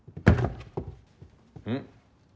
うん？